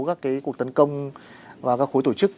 các cái cuộc tấn công và các khối tổ chức